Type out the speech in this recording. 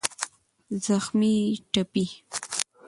زخمي √ ټپي